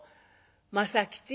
「政吉。